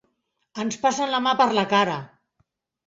Ens passen la mà per la cara!